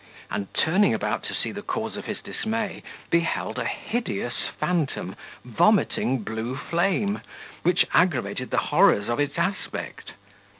and turning about to see the cause of his dismay, beheld a hideous phantom vomiting blue flame, which aggravated the horrors of its aspect.